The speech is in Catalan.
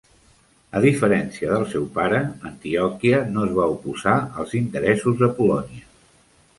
A diferència del seu pare, Antioquia no es va oposar als interessos de Polònia.